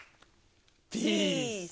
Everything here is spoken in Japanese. ピース。